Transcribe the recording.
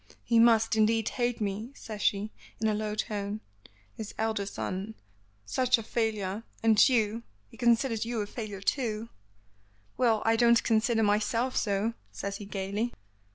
"He must, indeed, hate me," says she, in a low tone. "His elder son such a failure, and you he considers you a failure, too." "Well, I don't consider myself so," says he, gaily.